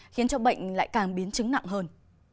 khiến cho bệnh lại càng biến chứng nặng hơn